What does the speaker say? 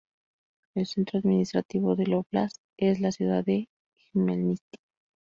El centro administrativo del óblast es la ciudad de Jmelnitski.